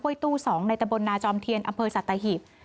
ห้วยตู้๒ในตะบนนาจอมเทียนอำเภอสัตว์ตาหิบ